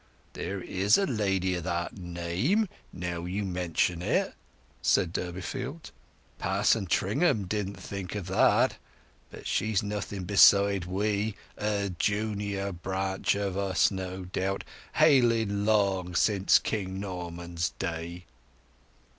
"There is a lady of the name, now you mention it," said Durbeyfield. "Pa'son Tringham didn't think of that. But she's nothing beside we—a junior branch of us, no doubt, hailing long since King Norman's day."